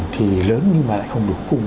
thì lớn nhưng mà lại không được cung